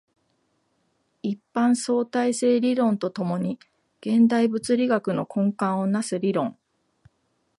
一般相対性理論と共に現代物理学の根幹を成す理論